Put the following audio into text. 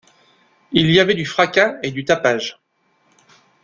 Il y avait du fracas et du tapage.